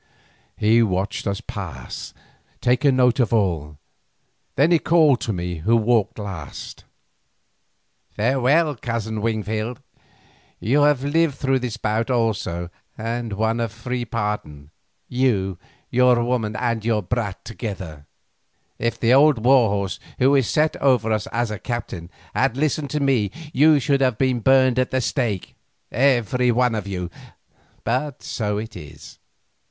He watched us pass, taking note of all, then he called to me who walked last: "Farewell, Cousin Wingfield. You have lived through this bout also and won a free pardon, you, your woman and your brat together. If the old war horse who is set over us as a captain had listened to me you should have been burned at the stake, every one of you, but so it is.